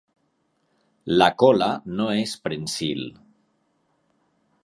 La cola no es prensil.